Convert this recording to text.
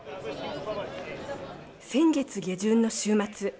先月下旬の週末。